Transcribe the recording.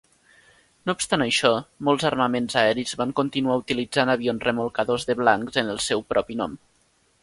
No obstant això, molts armaments aeris van continuar utilitzant avions remolcadors de blancs en el seu propi nom.